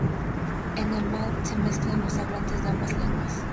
En Helmand, se mezclan los hablantes de ambas lenguas.